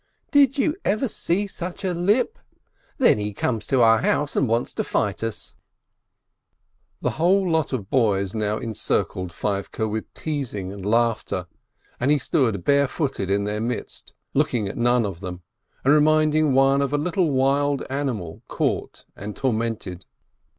"Did you ever see such a lip? And then he comes to our house and wants to fight us !" The whole lot of boys now encircled Feivke with teasing and laughter, and he stood barefooted in their midst, looking at none of them, and reminding one of a little wild animal caught and tormented.